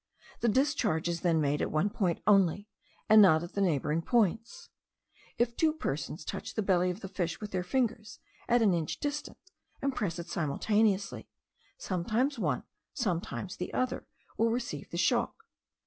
The discharge is then made at one point only, and not at the neighbouring points. If two persons touch the belly of the fish with their fingers, at an inch distance, and press it simultaneously, sometimes one, sometimes the other, will receive the shock.